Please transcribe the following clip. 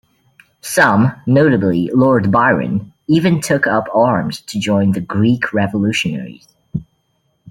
Some, notably Lord Byron, even took up arms to join the Greek revolutionaries.